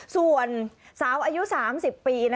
ส่วนสาวอายุ๓๐ปี